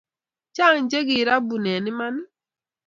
Cha che kirabun en emani